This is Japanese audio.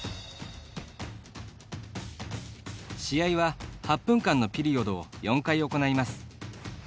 試合は８分間のピリオドを４回行います。